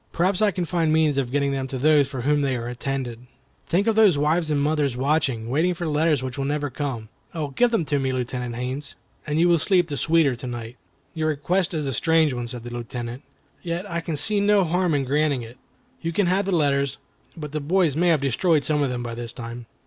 Perhaps I can find means of getting them to those for whom they are intended. Think of those wives and mothers watching, waiting for letters which will never come. Oh! give them to me, Lieutenant Haines, and you will sleep the sweeter to night." "Your request is a strange one," said the Lieutenant; "yet I can see no harm in granting it. You can have the letters, but the boys may have destroyed some of them by this time."